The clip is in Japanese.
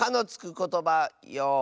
ことばよい。